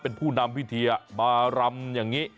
เป็นผู้นำพิธีมารำอย่างนี้